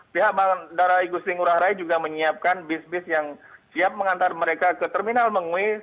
pihak bandara igusti ngurah rai juga menyiapkan bis bis yang siap mengantar mereka ke terminal mengui